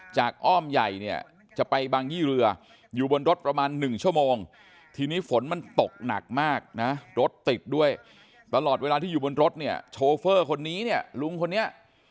อ้อมใหญ่เนี่ยจะไปบางยี่เรืออยู่บนรถประมาณ๑ชั่วโมงทีนี้ฝนมันตกหนักมากนะรถติดด้วยตลอดเวลาที่อยู่บนรถเนี่ยโชเฟอร์คนนี้เนี่ยลุงคนนี้